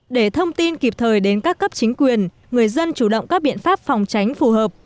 để thông tin kịp thời đến các cấp chính quyền người dân chủ động các biện pháp phòng tránh phù hợp